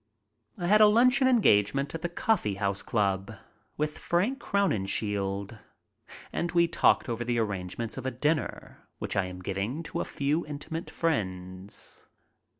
I had a luncheon engagement at the Coffee House Club with Frank Crowninshield, and we talked over the arrange ments of a dinner which I am giving to a few intimate friends.